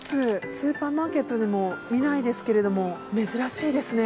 スーパーマーケットでも見ないですけれども珍しいですね。